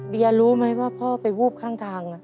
รู้ไหมว่าพ่อไปวูบข้างทาง